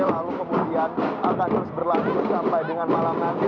lalu kemudian akan terus berlanjut sampai dengan malam nanti